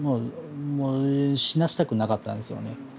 もう死なせたくなかったんですよね。